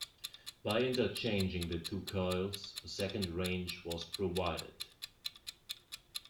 By interchanging the two coils a second range was provided.